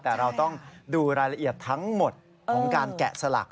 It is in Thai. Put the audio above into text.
แต่เราต้องดูรายละเอียดทั้งหมดของการแกะสลัก